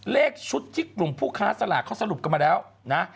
เลขชุดที่กลุ่มผู้ค้าสลากเขาสรุปกันมาแล้วนะ